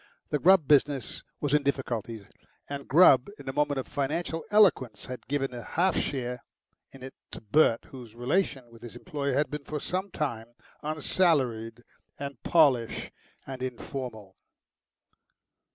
The Grubb business was in difficulties, and Grubb in a moment of financial eloquence had given a half share in it to Bert, whose relations with his employer had been for some time unsalaried and pallish and informal.